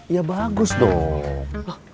ya bagus dong